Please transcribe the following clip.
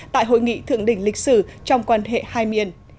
tại hội nghị thượng đỉnh lịch sử trong quan hệ hai miền